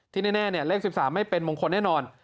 แน่เลข๑๓ไม่เป็นมงคลแน่นอน